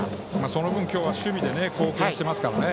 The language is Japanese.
その分、今日は守備で貢献していますからね。